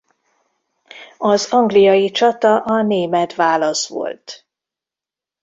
Az angliai csata a német válasz volt.